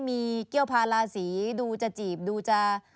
มีเกี้ยวพาราศีดูจะจีบดูจะ